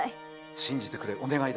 信じてくれお願いだ。